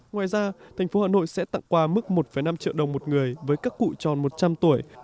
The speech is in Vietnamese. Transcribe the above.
ngoài ra thành phố hà nội sẽ tặng quà mức một năm triệu đồng một người với các cụ tròn một trăm linh tuổi